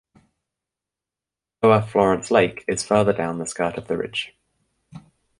Lower Florence Lake is further down the skirt of the ridge.